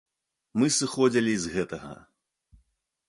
Мы сыходзілі з гэтага.